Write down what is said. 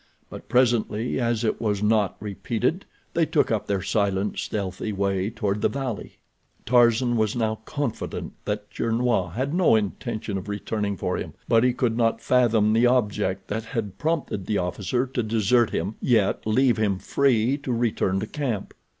But presently, as it was not repeated, they took up their silent, stealthy way toward the valley. Tarzan was now confident that Gernois had no intention of returning for him, but he could not fathom the object that had prompted the officer to desert him, yet leave him free to return to camp.